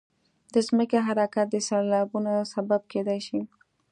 د ځمکې حرکات د سیلابونو سبب کېدای شي.